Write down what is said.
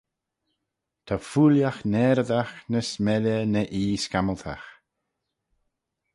Ta fooillagh naareydagh ny s'melley na ee scammyltagh